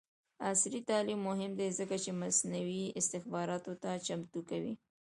عصري تعلیم مهم دی ځکه چې مصنوعي استخباراتو ته چمتو کوي.